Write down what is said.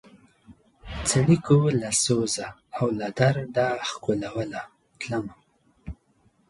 څړیکو له سوزه او له درده ښکلوله تلمه